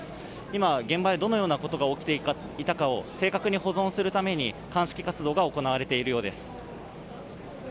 今、現場でどのようなことが起きていたかを正確に保存するために鑑識活動が行われているようです。